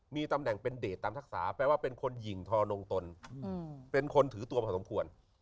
มีตำแหน่งเป็นเดชตามทักษะแปลว่าเป็นคนหญิงทอนงตนเป็นคนถือตัวพอสมควร